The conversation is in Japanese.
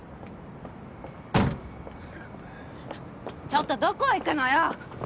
ちょっとどこ行くのよ！